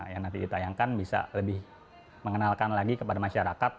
yang nanti ditayangkan bisa lebih mengenalkan lagi kepada masyarakat